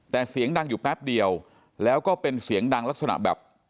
แต่เสียงดังอยู่แป๊บเดียวแล้วก็เป็นเสียงดังลักษณะแบบ